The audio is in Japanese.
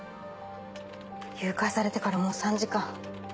誘拐されてからもう３時間。